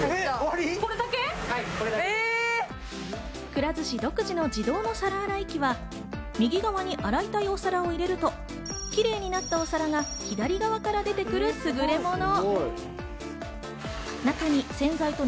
くら寿司独自の自動の皿洗い機は右側に洗いたいお皿を入れると、キレイになったお皿が左側から出てくるすぐれもの。